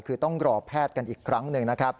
คือต้องรอแพทย์กันอีกครั้งหนึ่งนะครับ